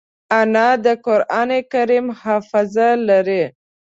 انا د قرانکریم حافظه لري